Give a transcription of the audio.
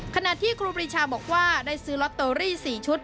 ขณะที่ครูปรีชาบอกว่าได้ซื้อลอตเตอรี่๔ชุด